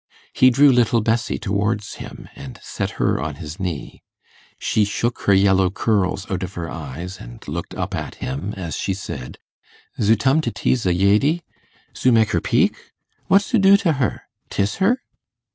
He drew little Bessie towards him, and set her on his knee. She shook her yellow curls out of her eyes, and looked up at him as she said, 'Zoo tome to tee ze yady? Zoo mek her peak? What zoo do to her? Tiss her?